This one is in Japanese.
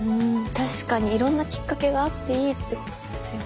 確かにいろんなきっかけがあっていいってことですよね。